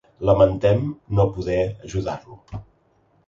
Lamentem no poder ajudar-lo.